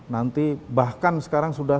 nanti bahkan sekarang sudah